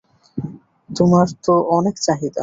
তোমার তো অনেক চাহিদা।